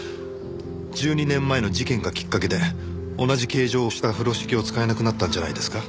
１２年前の事件がきっかけで同じ形状をした風呂敷を使えなくなったんじゃないですか？